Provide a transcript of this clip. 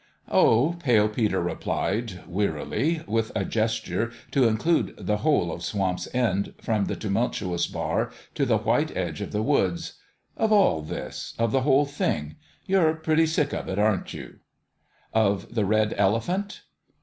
" Oh," Pale Peter replied, wearily, with a ges ture to include the whole of Swamp's End, from the tumultuous bar to the white edge of the woods, "of all this : of the whole thing. You're pretty sick of it, aren't you ?" "Of the Red Elephant?"